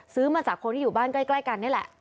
ซื้อมาจากคนที่อยู่บ้านใกล้กันนี่แหละ